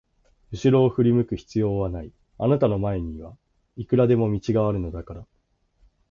うしろを振り向く必要はない、あなたの前にはいくらでも道があるのだから。